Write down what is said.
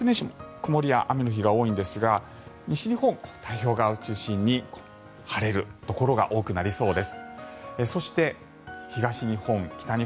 曇りや雨の日が多いんですが西日本の太平洋側を中心に晴れるところが多くなりそうです。